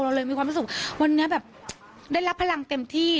เลยมีความรู้สึกวันนี้แบบได้รับพลังเต็มที่